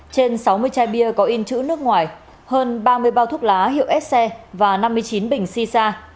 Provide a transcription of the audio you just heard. trên sáu mươi chai bia có in chữ nước ngoài hơn ba mươi bao thuốc lá hiệu sce và năm mươi chín bình sisa